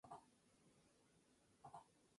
Dirigió a la selección argentina en un breve lapso.